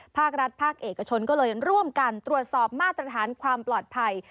ภาครัฐภาคเอกชนก็เลยร่วมกันตรวจสอบมาตรฐานความปลอดภัย